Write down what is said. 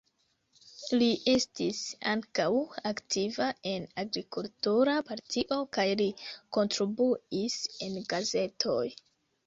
Li estis ankaŭ aktiva en agrikultura partio kaj li kontribuis en gazetoj.